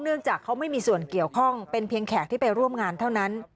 จากเขาไม่มีส่วนเกี่ยวข้องเป็นเพียงแขกที่ไปร่วมงานเท่านั้น